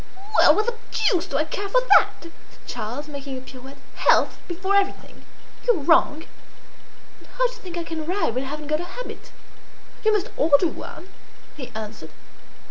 "Well, what the deuce do I care for that?" said Charles, making a pirouette. "Health before everything! You are wrong." "And how do you think I can ride when I haven't got a habit?" "You must order one," he answered.